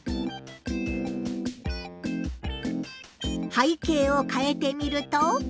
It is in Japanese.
背景をかえてみると。